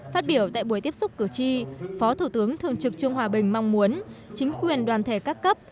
phát biểu tại buổi tiếp xúc cử tri phó thủ tướng thường trực trương hòa bình mong muốn chính quyền đoàn thể các cấp